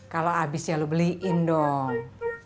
kalau habis ya lo beliin dong